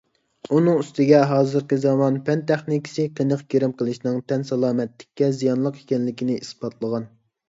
ئۇنىڭ ئۈستىگە، ھازىرقى زامان پەن-تېخنىكىسى قېنىق گىرىم قىلىشنىڭ تەن سالامەتلىككە زىيانلىق ئىكەنلىكىنى ئىسپاتلىغان.